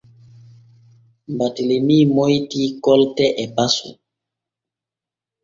Baatelemi moytii koltal e basu.